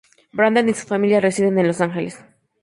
Brandt y su familia residen en Los Ángeles.